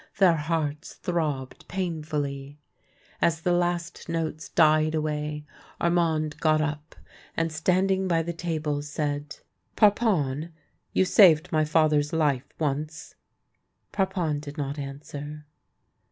Their hearts throbbed painfully. As the last notes died away Armand got up, and, standing by the table, said :" Parpon, you saved my father's life once? " Parpon did not answer.